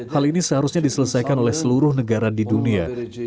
hal ini seharusnya diselesaikan oleh seluruh negara di dunia